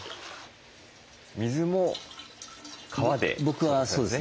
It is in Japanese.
水も川で？